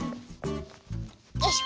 よいしょ！